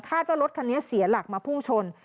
ว่ารถคันนี้เสียหลักมาพุ่งชน